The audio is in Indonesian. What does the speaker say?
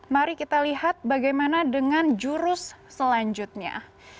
mari kita lihat bagaimana dengan jurus selanjutnya